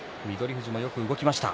富士もよく動きました。